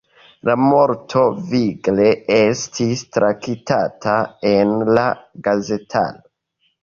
La morto vigle estis traktata en la gazetaro.